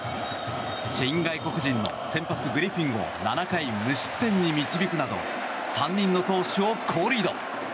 新外国人の先発、グリフィンを７回無失点に導くなど３人の投手を好リード。